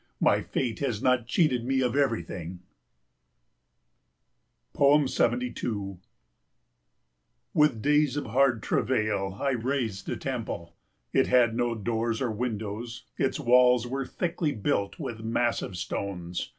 My fate has not cheated me of everything. 72 With days of hard travail I raised a temple. It had no doors or windows, its walls were thickly built with massive stones.